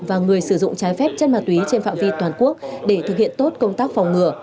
và người sử dụng trái phép chân ma túy trên phạm vi toàn quốc để thực hiện tốt công tác phòng ngừa